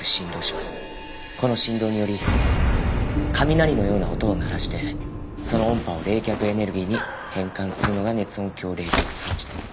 この振動により雷のような音を鳴らしてその音波を冷却エネルギーに変換するのが熱音響冷却装置です。